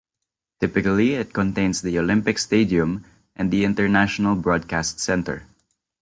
Typically it contains the Olympic Stadium and the International Broadcast Centre.